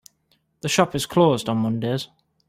The shop is closed on mondays.